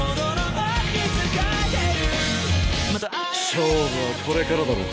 勝負はこれからだろ。